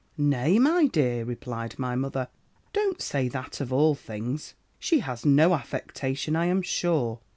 "'Nay, my dear,' replied my mother, 'don't say that, of all things. She has no affectation, I am sure.'